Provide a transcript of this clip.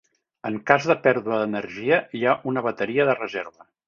En cas de pèrdua d'energia, hi ha una bateria de reserva.